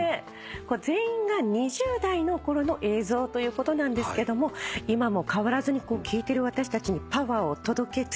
全員が２０代の頃の映像ということなんですけども今も変わらずに聴いてる私たちにパワーを届け続けてくれてる。